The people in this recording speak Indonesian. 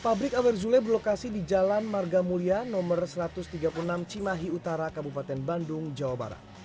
pabrik awer zule berlokasi di jalan marga mulia no satu ratus tiga puluh enam cimahi utara kabupaten bandung jawa barat